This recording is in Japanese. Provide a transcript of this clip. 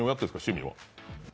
趣味は。